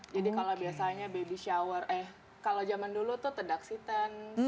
jadi kalau biasanya baby shower eh kalau zaman dulu itu tedak siten